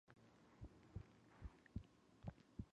Both of them die from poisoning.